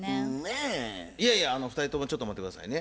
いやいや２人ともちょっと待って下さいね。